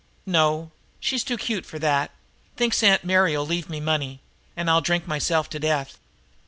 "No, she's too cute for that thinks Aunt Mary'll leave me money and I'll drink myself to death.